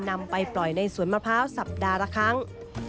นำไปปล่อยในสวนมะพร้าวสัปดาห์ละครั้ง